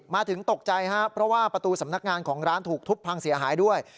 มาถึงตกใจครับเพราะว่าประตูสำนักงานของร้านถูกทุบพังเสียหายด้วย